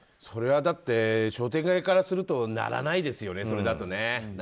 それは商栄会側からするとならないですよね、それだと。